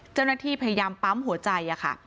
เจ้าหน้าที่พยายามปั๊มหัวใจค่ะ